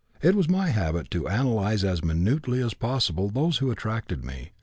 It was my habit to analyze as minutely as possible those who attracted me.